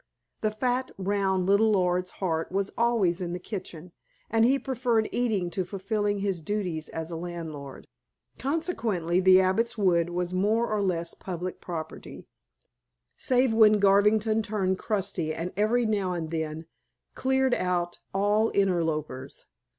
The fat, round little lord's heart was always in the kitchen, and he preferred eating to fulfilling his duties as a landlord. Consequently, the Abbot's Wood was more or less public property, save when Garvington turned crusty and every now and then cleared out all interlopers.